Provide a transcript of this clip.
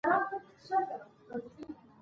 په دې يونليک کې د روزګان د خلکو رسم رواجونه